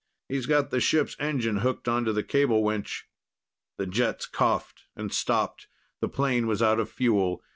He's got the ship's engine hooked onto the cable winch." The jets coughed and stopped. The plane was out of fuel.